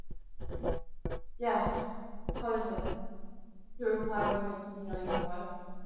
‘Yes, close it,’ he replied, in his familiar voice.